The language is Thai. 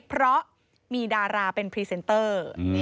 เพราะมีดาราเป็นพรีเซนเตอร์